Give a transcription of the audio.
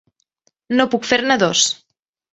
No puc fer-ne dos.